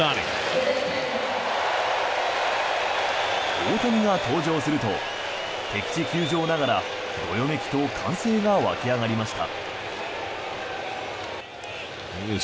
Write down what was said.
大谷が登場すると敵地球場ながらどよめきと歓声が沸き上がりました。